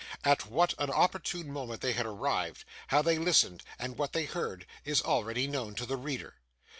At what an opportune moment they arrived, how they listened, and what they heard, is already known to the reader.